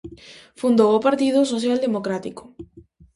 Fundou o Partido Social-Democrático.